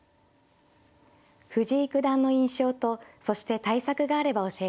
藤井九段の印象とそして対策があれば教えてください。